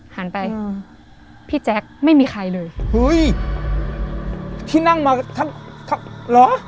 หันไปอืมพี่แจ๊คไม่มีใครเลยเฮ้ยที่นั่งมาทั้งเหรอ